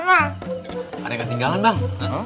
ada yang ketinggalan bang